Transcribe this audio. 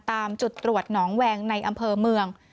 ตามจุดตรวจหนองแวงในอำเภอเมือง